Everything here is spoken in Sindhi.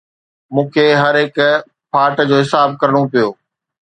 مون کي هر هڪ ڦاٽ جو حساب ڪرڻو پيو